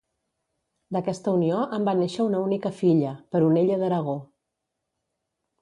D'aquesta unió en va néixer una única filla, Peronella d'Aragó.